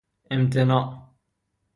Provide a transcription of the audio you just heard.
امتناع